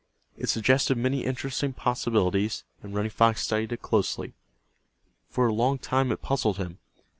It suggested many interesting possibilities, and Running Fox studied it closely. For a long time it puzzled him.